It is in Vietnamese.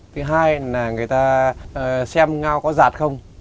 thứ hai là người ta xem ngao có giạt không